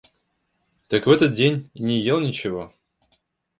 Так в этот день и не ел ничего.